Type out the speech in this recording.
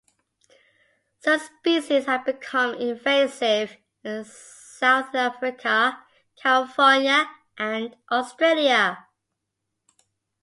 Some species have become invasive in southern Africa, California and Australia.